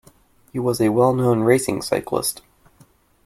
He was a well-known racing cyclist.